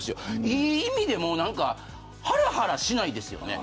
いい意味ではらはらしないですよね。